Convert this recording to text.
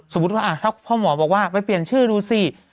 สมมุติว่าถ้าพ่อหมอบอกว่าไปเปลี่ยนชื่อดูสิ